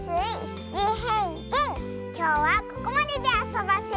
きょうはここまでであそばせ。